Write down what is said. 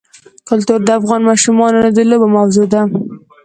کلتور د افغان ماشومانو د لوبو موضوع ده.